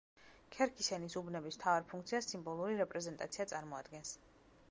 ქერქის ენის უბნების მთავარ ფუნქციას სიმბოლური რეპრეზენტაცია წარმოადგენს.